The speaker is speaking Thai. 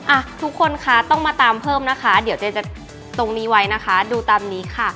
อ่ะทุกคนคะต้องมาตามเพิ่มนะคะเดี๋ยวเจ๊จะตรงนี้ไว้นะคะดูตามนี้ค่ะ